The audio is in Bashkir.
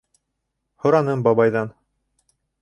Һораным бабайҙан.